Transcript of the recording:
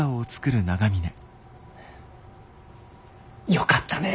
よかったねえ。